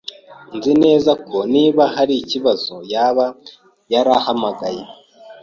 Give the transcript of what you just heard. Nzi neza ko niba hari ikibazo, yaba yarahamagaye.